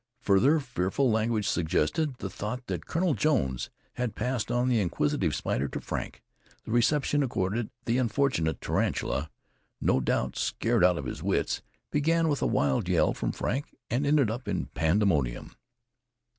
Further fearful language suggested the thought that Colonel Jones had passed on the inquisitive spider to Frank. The reception accorded the unfortunate tarantula, no doubt scared out of its wits, began with a wild yell from Frank and ended in pandemonium.